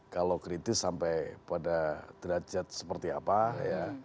kalau kritis sampai pada derajat seperti apa ya